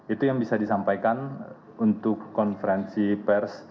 itu yang bisa disampaikan untuk konferensi pers